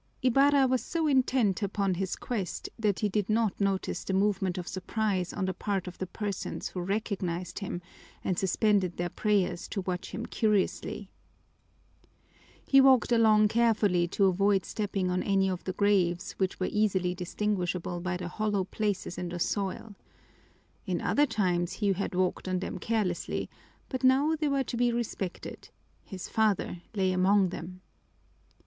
Ibarra was so intent upon his quest that he did not notice the movement of surprise on the part of the persons who recognized him and suspended their prayers to watch him curiously. He walked along carefully to avoid stepping on any of the graves, which were easily distinguishable by the hollow places in the soil. In other times he had walked on them carelessly, but now they were to be respected: his father lay among them.